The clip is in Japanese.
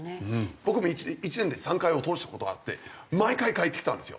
僕も１年で３回落とした事があって毎回返ってきたんですよ。